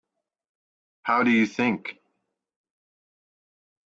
How do you think?